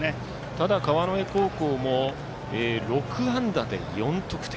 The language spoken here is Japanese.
ただ川之江高校も６安打で４得点。